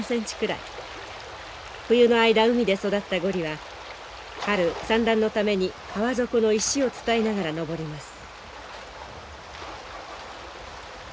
冬の間海で育ったゴリは春産卵のために川底の石を伝いながら上ります。